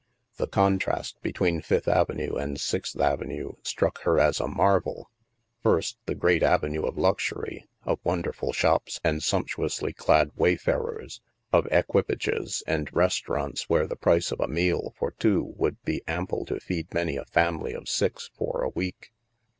The contrast between Fifth Ave nue and Sixth Avenue struck her as a marvel. First, the great avenue of luxury, of wonderful shops and sumptuously clad wayfarers, of equi pages, and restaurants where the price of a meal for two would be ample to feed many a family of six for a week.